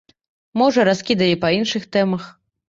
Можа, раскідалі па іншых тэмах.